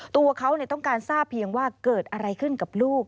ตัวเขาต้องการทราบเพียงว่าเกิดอะไรขึ้นกับลูก